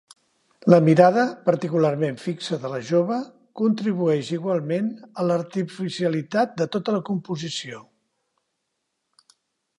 La mirada, particularment fixa, de la jove, contribueix igualment a l'artificialitat de tota la composició.